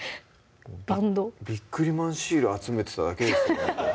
「ビックリマンシール」集めてただけですかね